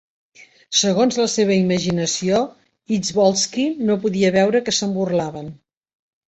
Segons la seva imaginació, Izvolsky no podia veure que se'n burlaven.